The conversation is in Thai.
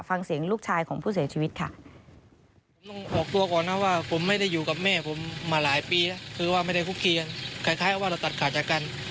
ฟังเสียงลูกชายของผู้เสียชีวิตค่ะ